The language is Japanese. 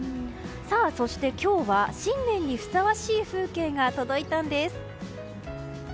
そして、今日は新年にふさわしい風景が届いたんです。